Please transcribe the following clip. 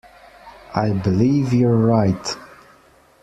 I believe you're right.